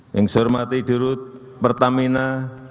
yang saya hormati dirut pertamina